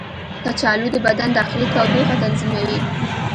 کچالو د بدن داخلي تودوخه تنظیموي.